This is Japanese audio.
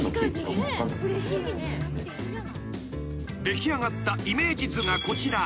［出来上がったイメージ図がこちら］